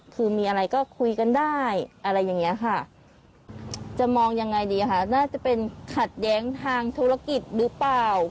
คือมีอะไรก็คุยกันได้อะไรอย่างนี้ค่ะจะมองยังไงดีค่ะน่าจะเป็นขัดแย้งทางธุรกิจหรือเปล่า